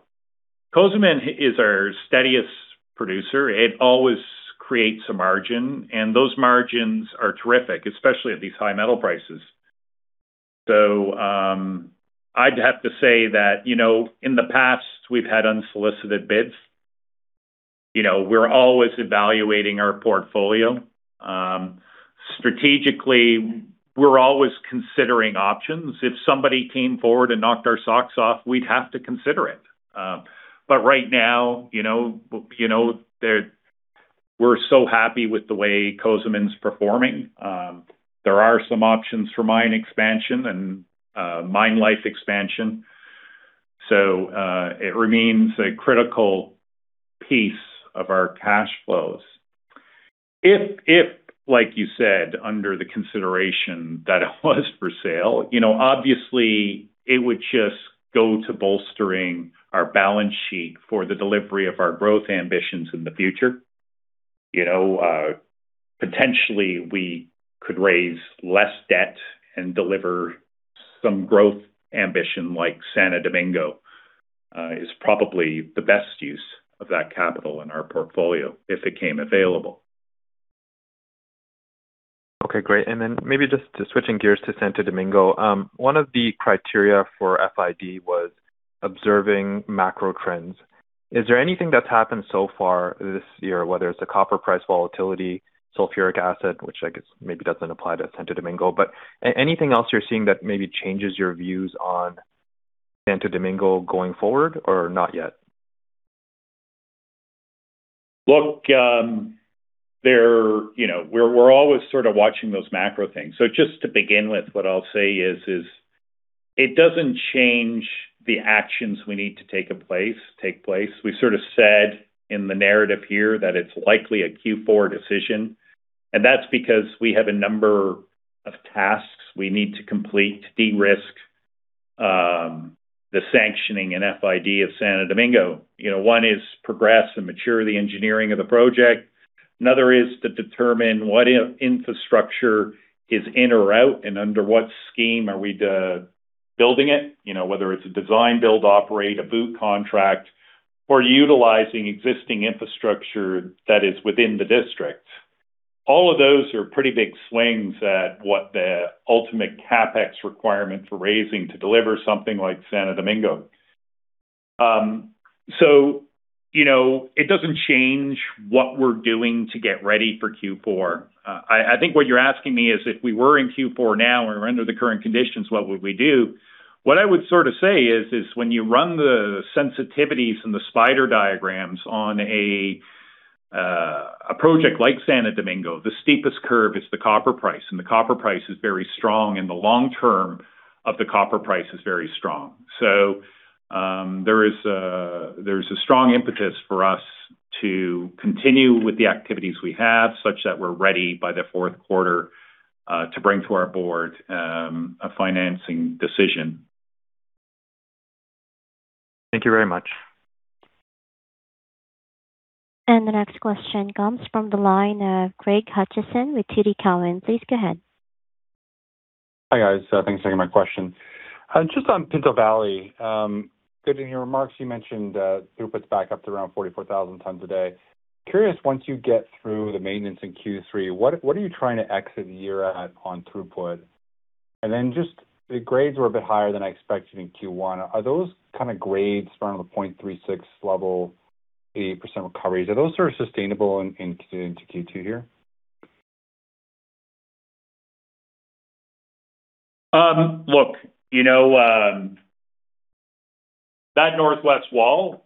Cozamin is our steadiest producer. It always creates a margin, and those margins are terrific, especially at these high metal prices. I'd have to say that, you know, in the past we've had unsolicited bids. You know, we're always evaluating our portfolio. Strategically, we're always considering options. If somebody came forward and knocked our socks off, we'd have to consider it. Right now, you know, we're so happy with the way Cozamin's performing. There are some options for mine expansion and mine life expansion. It remains a critical piece of our cash flows. If, like you said, under the consideration that it was for sale, you know, obviously it would just go to bolstering our balance sheet for the delivery of our growth ambitions in the future. You know, potentially we could raise less debt and deliver some growth ambition like Santo Domingo, is probably the best use of that capital in our portfolio if it came available. Okay, great. Maybe just to switching gears to Santo Domingo. One of the criteria for FID was observing macro trends. Is there anything that's happened so far this year, whether it's the copper price volatility, sulfuric acid, which I guess maybe doesn't apply to Santo Domingo, but anything else you're seeing that maybe changes your views on Santo Domingo going forward or not yet? Look, you know, we're always sort of watching those macro things. Just to begin with, what I'll say is it doesn't change the actions we need to take place. We sort of said in the narrative here that it's likely a Q4 decision, and that's because we have a number of tasks we need to complete to de-risk the sanctioning and FID of Santo Domingo. You know, one is progress and mature the engineering of the project. Another is to determine what in-infrastructure is in or out and under what scheme are we building it, you know, whether it's a design build, operate, a BOOT contract, or utilizing existing infrastructure that is within the district. All of those are pretty big swings at what the ultimate CapEx requirement for raising to deliver something like Santo Domingo. You know, it doesn't change what we're doing to get ready for Q4. I think what you're asking me is if we were in Q4 now or under the current conditions, what would we do? What I would sort of say is when you run the sensitivities and the spider diagrams on a project like Santo Domingo, the steepest curve is the copper price, and the copper price is very strong, and the long term of the copper price is very strong. There is there's a strong impetus for us to continue with the activities we have such that we're ready by the Q4 to bring to our board a financing decision. Thank you very much. The next question comes from the line of Craig Hutchison with TD Cowen. Please go ahead. Hi, guys. Thanks for taking my question. Just on Pinto Valley, good in your remarks, you mentioned throughput's back up to around 44,000 tons a day. Curious, once you get through the maintenance in Q3, what are you trying to exit the year at on throughput? Just the grades were a bit higher than I expected in Q1. Are those kinda grades around the 0.36 level, 80% recovery? Are those sort of sustainable in Q2 here? You know, that northwest wall,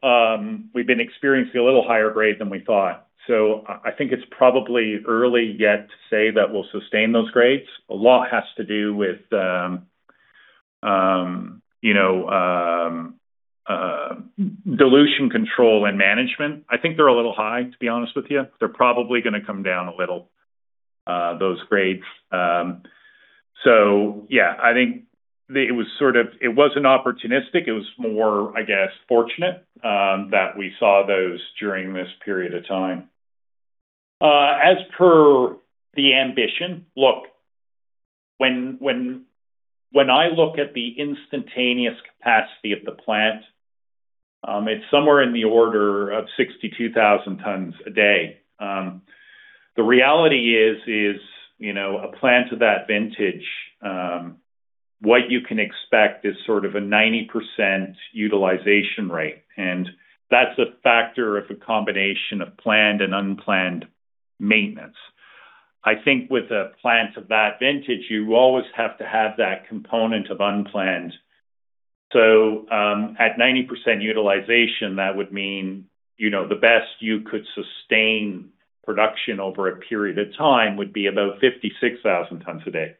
we've been experiencing a little higher grade than we thought. I think it's probably early yet to say that we'll sustain those grades. A lot has to do with, you know, dilution control and management. I think they're a little high, to be honest with you. They're probably gonna come down a little, those grades. Yeah, it wasn't opportunistic. It was more, I guess, fortunate that we saw those during this period of time. As per the ambition, when I look at the instantaneous capacity of the plant, it's somewhere in the order of 62,000 tons a day. The reality is, you know, a plant of that vintage, what you can expect is sort of a 90% utilization rate, and that's a factor of a combination of planned and unplanned maintenance. I think with a plant of that vintage, you always have to have that component of unplanned. At 90% utilization, that would mean, you know, the best you could sustain production over a period of time would be about 56,000 tons a day.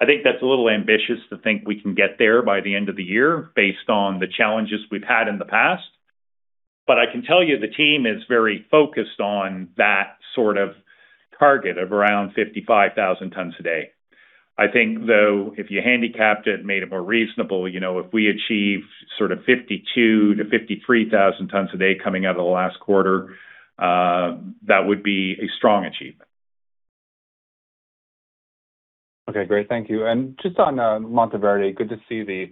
I think that's a little ambitious to think we can get there by the end of the year based on the challenges we've had in the past. I can tell you the team is very focused on that sort of target of around 55,000 tons a day. I think, though, if you handicapped it and made it more reasonable, you know, if we achieve sort of 52,000 tons-53,000 tons a day coming out of the last quarter, that would be a strong achievement. Okay, great. Thank you. Just on Mantoverde, good to see the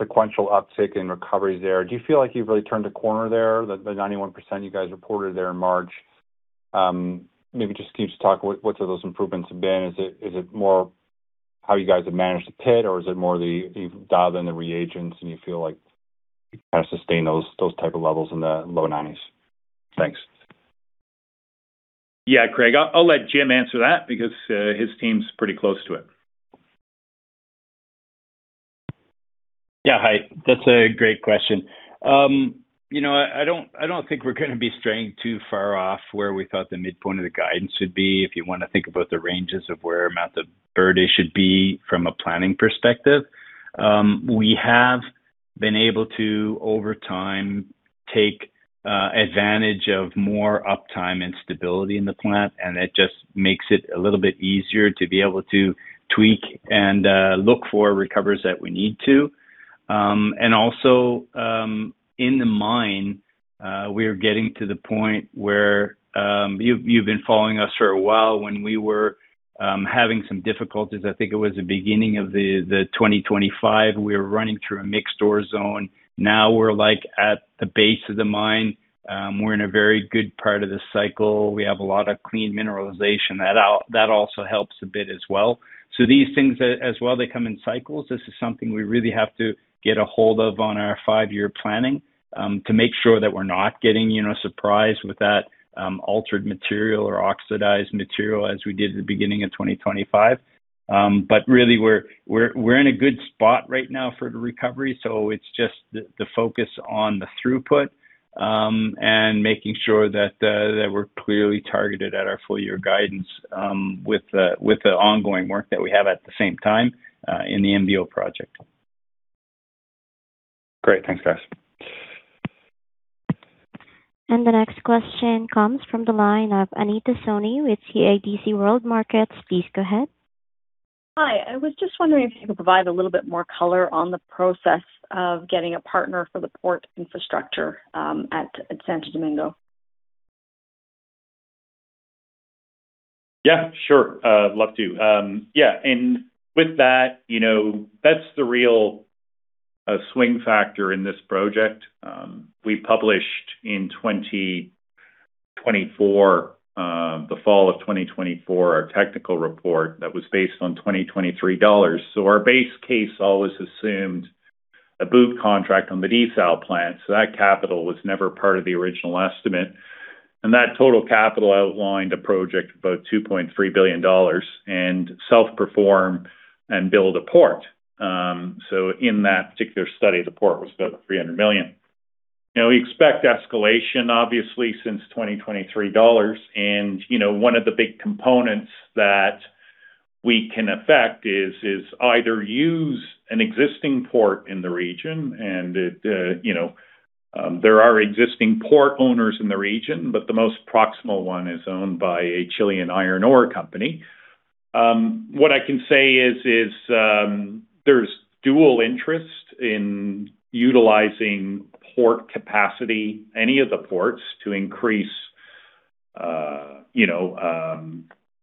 sequential uptick in recoveries there. Do you feel like you've really turned a corner there? The 91% you guys reported there in March. Maybe just can you just talk what sort of those improvements have been. Is it more how you guys have managed the pit, or is it more the, you've dialed in the reagents and you feel like you kinda sustain those type of levels in the low 1990s? Thanks. Yeah, Craig. I'll let Jim answer that because his team's pretty close to it. Yeah. Hi. That's a great question. You know, I don't think we're gonna be straying too far off where we thought the midpoint of the guidance would be, if you wanna think about the ranges of where Mantoverde should be from a planning perspective. We have been able to, over time, take advantage of more uptime and stability in the plant, that just makes it a little bit easier to be able to tweak and look for recoveries that we need to. Also, in the mine, we're getting to the point where you've been following us for a while when we were having some difficulties. I think it was the beginning of the 2025, we were running through a mixed ore zone. We're, like, at the base of the mine. We're in a very good part of the cycle. We have a lot of clean mineralization. That also helps a bit as well. These things, as well, they come in cycles. This is something we really have to get a hold of on our five-year planning, to make sure that we're not getting, you know, surprised with that altered material or oxidized material as we did at the beginning of 2025. Really, we're in a good spot right now for the recovery, it's just the focus on the throughput, and making sure that we're clearly targeted at our full-year guidance, with the ongoing work that we have at the same time, in the MV-O project. Great. Thanks, guys. The next question comes from the line of Anita Soni with CIBC World Markets. Please go ahead. Hi. I was just wondering if you could provide a little bit more color on the process of getting a partner for the port infrastructure at Santo Domingo. Yeah, sure. Love to. Yeah. With that, you know, that's the real swing factor in this project. We published in 2024, the fall of 2024, our technical report that was based on 2023 dollars. Our base case always assumed a BOOT contract on the desal plant, so that capital was never part of the original estimate. That total capital outlined a project of about $2.3 billion and self-perform and build a port. In that particular study, the port was about $300 million. Now we expect escalation obviously since 2023 dollars. You know, one of the big components that we can affect is either use an existing port in the region and it, you know, there are existing port owners in the region, but the most proximal one is owned by a Chilean iron ore company. What I can say is, there's dual interest in utilizing port capacity, any of the ports to increase, you know,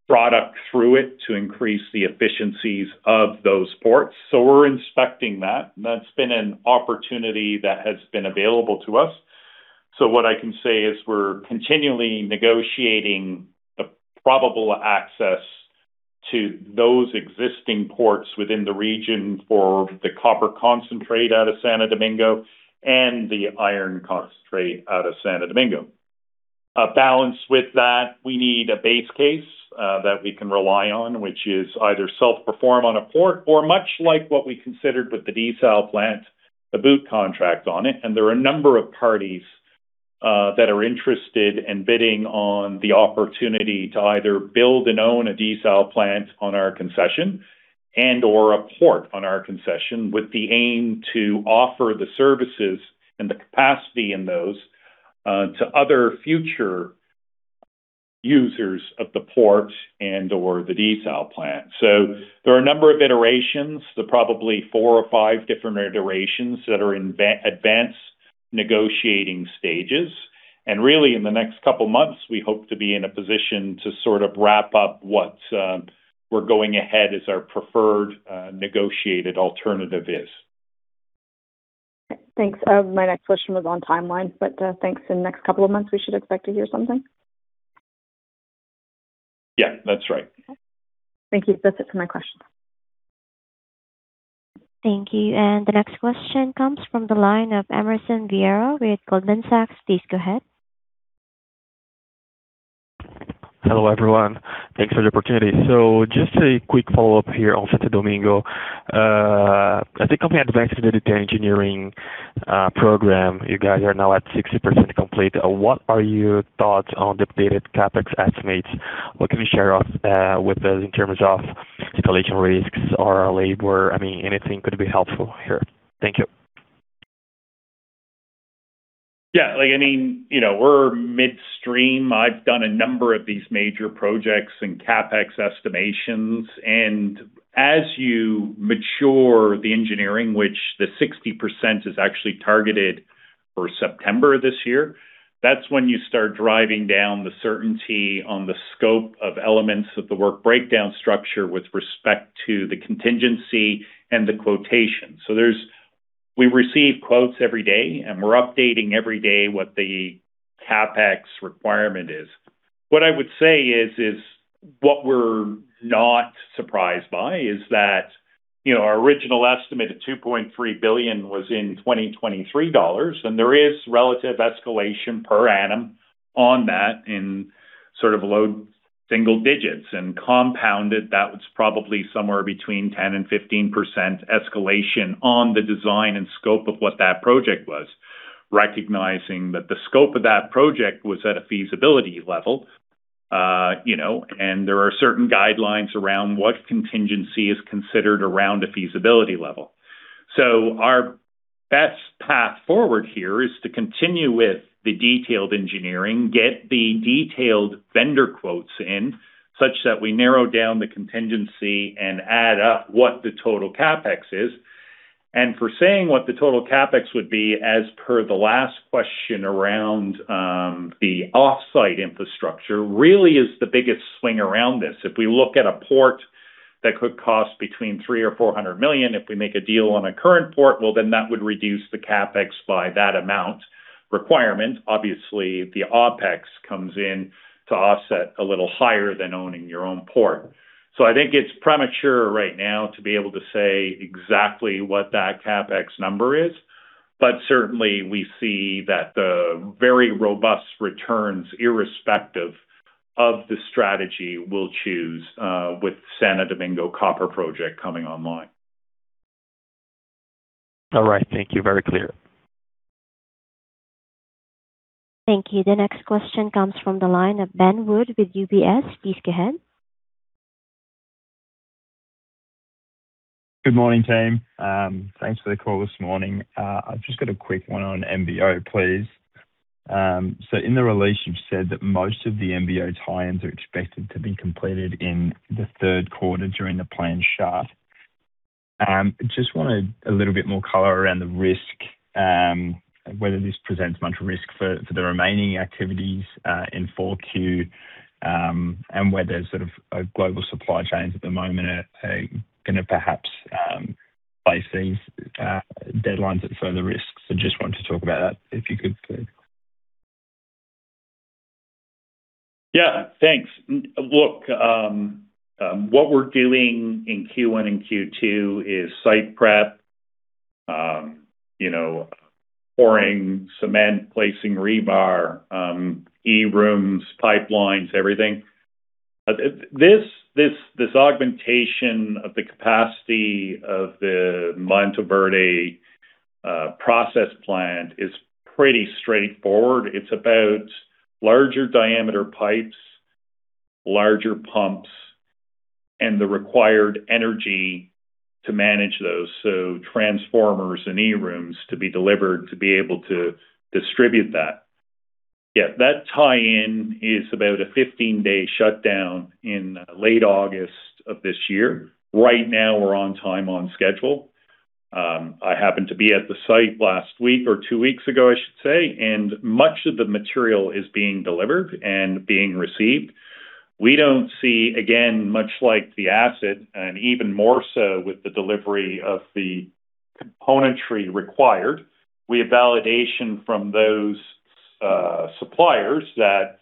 product through it, to increase the efficiencies of those ports. We're inspecting that, and that's been an opportunity that has been available to us. What I can say is we're continually negotiating the probable access to those existing ports within the region for the copper concentrate out of Santo Domingo and the iron concentrate out of Santo Domingo. Balanced with that, we need a base case that we can rely on, which is either self-perform on a port or much like what we considered with the desal plant, a BOOT contract on it. There are a number of parties that are interested in bidding on the opportunity to either build and own a desal plant on our concession and/or a port on our concession with the aim to offer the services and the capacity in those to other future users of the port and/or the desal plant. There are a number of iterations. There are probably four or five different iterations that are in advanced negotiating stages. Really, in the next couple of months, we hope to be in a position to sort of wrap up what's we're going ahead as our preferred negotiated alternative is. Thanks. My next question was on timeline, but thanks. In the next couple of months, we should expect to hear something? Yeah, that's right. Thank you. That's it for my questions. Thank you. The next question comes from the line of Emerson Vieira with Goldman Sachs. Please go ahead. Hello, everyone. Thanks for the opportunity. Just a quick follow-up here on Santo Domingo. As the company advances the detailed engineering program, you guys are now at 60% complete. What are your thoughts on the updated CapEx estimates? What can you share us with us in terms of escalation risks or labor? I mean, anything could be helpful here. Thank you. Yeah. Like, I mean, you know, we're midstream. I've done a number of these major projects and CapEx estimations. As you mature the engineering, which the 60% is actually targeted for September this year, that's when you start driving down the certainty on the scope of elements of the work breakdown structure with respect to the contingency and the quotation. We receive quotes every day, and we're updating every day what the CapEx requirement is. What I would say is what we're not surprised by is that, you know, our original estimate of $2.3 billion was in 2023 U.S. dollars, and there is relative escalation per annum on that in sort of low single digits. Compounded, that was probably somewhere between 10%-15% escalation on the design and scope of what that project was. Recognizing that the scope of that project was at a feasibility level, you know, there are certain guidelines around what contingency is considered around a feasibility level. Our best path forward here is to continue with the detailed engineering, get the detailed vendor quotes in such that we narrow down the contingency and add up what the total CapEx is. For saying what the total CapEx would be, as per the last question around the offsite infrastructure, really is the biggest swing around this. If we look at a port that could cost between $300 million-$400 million, if we make a deal on a current port, well, that would reduce the CapEx by that amount requirement. Obviously, the OpEx comes in to offset a little higher than owning your own port. I think it's premature right now to be able to say exactly what that CapEx number is. Certainly, we see that the very robust returns, irrespective of the strategy we'll choose, with Santo Domingo copper project coming online. All right. Thank you. Very clear. Thank you. The next question comes from the line of Ben Wood with UBS. Please go ahead. Good morning, team. Thanks for the call this morning. I've just got a quick one on MV-O, please. In the release, you've said that most of the MV-O tie-ins are expected to be completed in the Q3 during the planned shaft. Just wanted a little bit more color around the risk, whether this presents much risk for the remaining activities in 4Q, and whether sort of global supply chains at the moment are gonna perhaps place these deadlines at further risk. Just wanted to talk about that, if you could, please. Thanks. Look, what we're doing in Q1 and Q2 is site prep, you know, pouring cement, placing rebar, e-rooms, pipelines, everything. This augmentation of the capacity of the Mantoverde process plant is pretty straightforward. It's about larger diameter pipes, larger pumps, and the required energy to manage those, so transformers and E-rooms to be delivered to be able to distribute that. That tie-in is about a 15-day shutdown in late August of this year. Right now, we're on time, on schedule. I happened to be at the site last week or two weeks ago, I should say, and much of the material is being delivered and being received. We don't see, again, much like the asset, and even more so with the delivery of the componentry required. We have validation from those suppliers that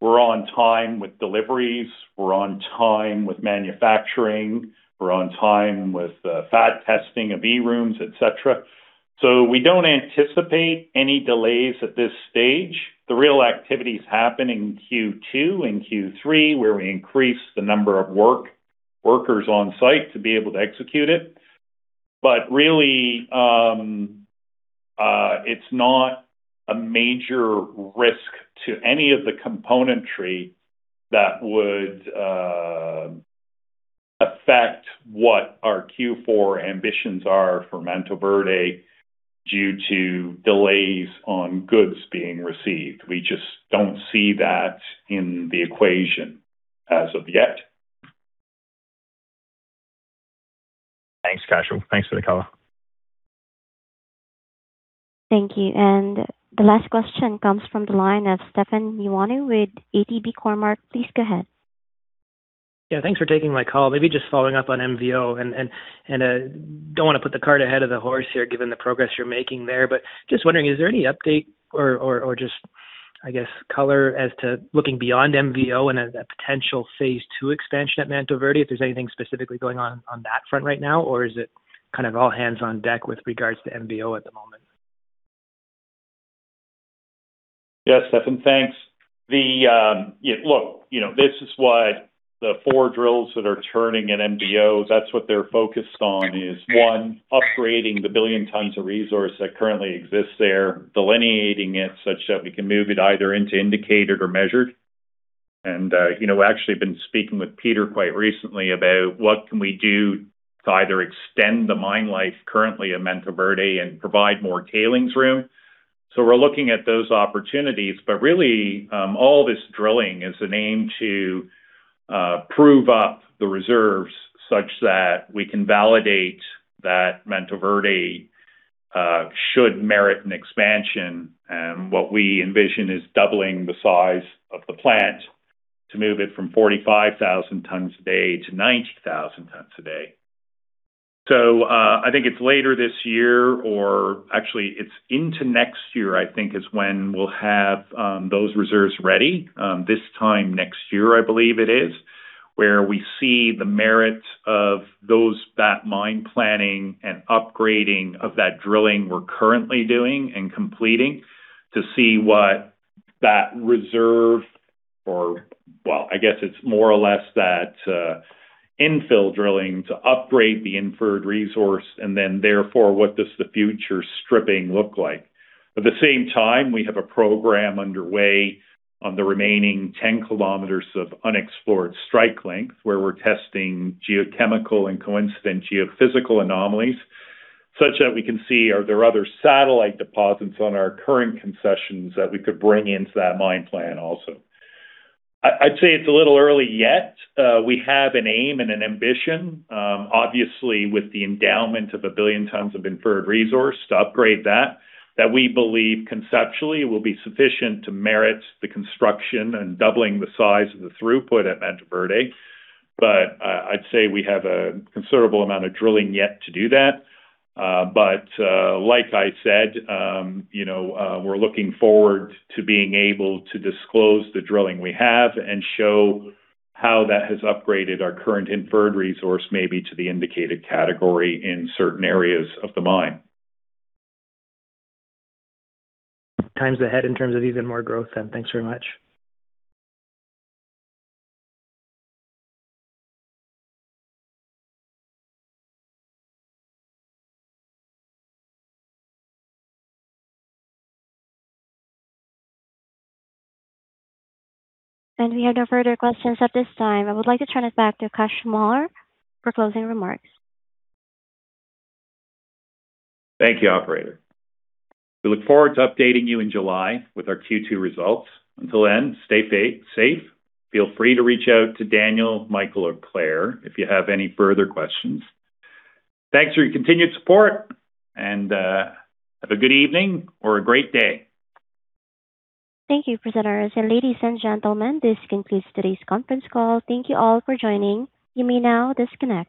we're on time with deliveries, we're on time with manufacturing, we're on time with FAT testing of E-rooms, et cetera. We don't anticipate any delays at this stage. The real activity is happening in Q2 and Q3, where we increase the number of workers on site to be able to execute it. Really, it's not a major risk to any of the componentry that would affect what our Q4 ambitions are for Mantoverde due to delays on goods being received. We just don't see that in the equation as of yet. Thanks, Cash. Thanks for the color. Thank you. The last question comes from the line of Stefan Ioannou with Cormark Securities. Please go ahead. Yeah, thanks for taking my call. Maybe just following up on MV-O and don't wanna put the cart ahead of the horse here, given the progress you're making there. Just wondering, is there any update or just, I guess, color as to looking beyond MV-O and the potential phase two expansion at Mantoverde, if there's anything specifically going on that front right now, or is it kind of all hands on deck with regards to MV-O at the moment? Yeah, Stefan, thanks. The, Yeah, look, you know, this is what the four drills that are turning at MV-O, that's what they're focused on, is one, upgrading the 1 billion tons of resource that currently exists there, delineating it such that we can move it either into indicated or measured. You know, actually been speaking with Peter quite recently about what can we do to either extend the mine life currently at Mantoverde and provide more tailings room. We're looking at those opportunities. Really, all this drilling is an aim to prove up the reserves such that we can validate that Mantoverde should merit an expansion. What we envision is doubling the size of the plant to move it from 45,000 tons a day to 90,000 tons a day. I think it's later this year or actually it's into next year, I think is when we'll have those reserves ready. This time next year, I believe it is, where we see the merit of those, that mine planning and upgrading of that drilling we're currently doing and completing to see what that reserve or, well, I guess it's more or less that infill drilling to upgrade the inferred resource and then therefore, what does the future stripping look like. At the same time, we have a program underway on the remaining 10 km of unexplored strike length, where we're testing geochemical and coincident geophysical anomalies such that we can see are there other satellite deposits on our current concessions that we could bring into that mine plan also. I'd say it's a little early yet. We have an aim and an ambition, obviously with the endowment of 1 billion tons of inferred resource to upgrade that we believe conceptually will be sufficient to merit the construction and doubling the size of the throughput at Mantoverde. I'd say we have a considerable amount of drilling yet to do that. Like I said, you know, we're looking forward to being able to disclose the drilling we have and show how that has upgraded our current inferred resource, maybe to the indicated category in certain areas of the mine. Times ahead in terms of even more growth then. Thanks very much. We have no further questions at this time. I would like to turn us back to Cashel Meagher for closing remarks. Thank you, operator. We look forward to updating you in July with our Q2 results. Until then, stay safe. Feel free to reach out to Daniel, Michael or Claire if you have any further questions. Thanks for your continued support and have a good evening or a great day. Thank you, presenters. Ladies and gentlemen, this concludes today's conference call. Thank you all for joining. You may now disconnect.